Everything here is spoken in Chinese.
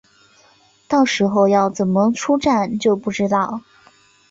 到时候要怎么出站就不知道